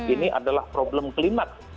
ini adalah problem klimat